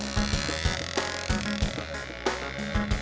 gue kameramen bukan montir